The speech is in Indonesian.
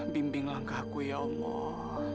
bimbing langkahku ya allah